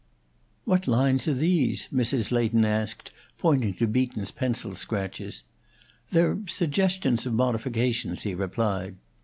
"What lines are these?" Mrs. Leighton asked, pointing to Beaton's pencil scratches. "They're suggestions of modifications," he replied.